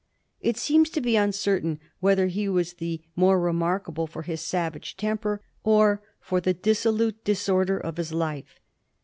It seems to be uncertain whether he was the more remarka ble for his savage temper or for the dissolute disorder of his life.